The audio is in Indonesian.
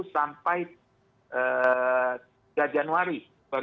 sampai pada januari dua ribu dua puluh tiga